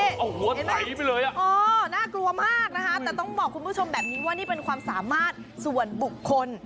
เอาหัวไถไปเลยอ่ะเออน่ากลัวมากนะคะแต่ต้องบอกคุณผู้ชมแบบนี้ว่านี่เป็นความสามารถส่วนบุคคล